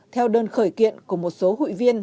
theo đơn khởi kiện của một số hội viên